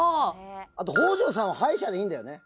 あと北条さんは歯医者でいいんだよね？